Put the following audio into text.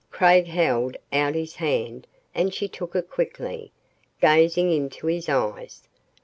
Craig held out his hand and she took it quickly, gazing into his eyes.